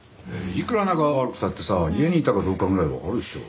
いくら仲が悪くたってさ家にいたかどうかぐらいわかるでしょ。